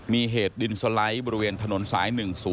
มีเหตุดินสไลด์บริเวณถนนสาย๑๐